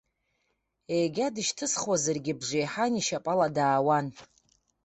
Егьа дышьҭысхуазаргьы, бжеиҳан ишьапала даауан.